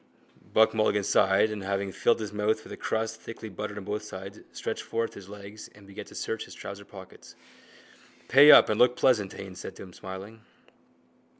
Buck Mulligan sighed and, having filled his mouth with a crust thickly buttered on both sides, stretched forth his legs and began to search his trouser pockets. —Pay up and look pleasant, Haines said to him, smiling.